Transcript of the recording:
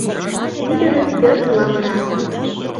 Ӱдырын пӧрт лавыран.